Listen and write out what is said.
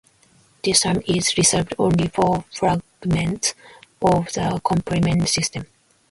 This term is reserved only for fragments of the complement system.